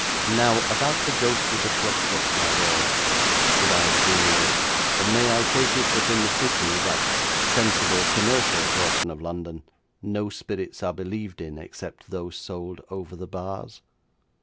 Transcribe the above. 'How about the ghost with a club foot, my lord?' said I genially. 'May I take it that in the City, that sensible, commercial portion of London, no spirits are believed in except those sold over the bars?'